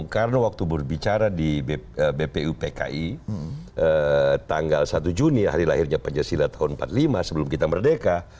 karena waktu berbicara di bpupki tanggal satu juni hari lahirnya pancasila tahun seribu sembilan ratus empat puluh lima sebelum kita merdeka